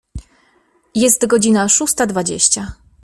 Jest godzina szósta dwadzieścia.